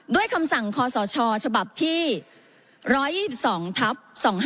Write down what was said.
ด้วยคำสั่งคอสชฉบับที่๑๒๒ทัพ๒๕๕๗